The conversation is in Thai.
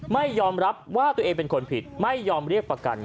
ไม่ยอมรับว่าตัวเองเป็นคนผิดไม่ยอมเรียกประกัน